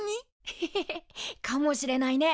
ヘヘヘヘかもしれないね。